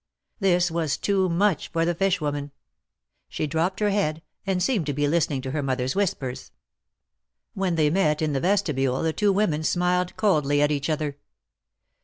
This was too much for the fish woman. She dropped her head, and seemed to be listening to her mother's whispers. When they met in the vestibule, the two women smiled coldly at each other.